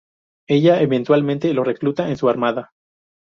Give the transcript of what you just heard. Ella eventualmente lo recluta en su armada.